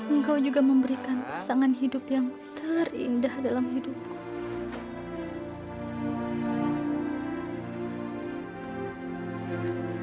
engkau juga memberikan pasangan hidup yang terindah dalam hidupku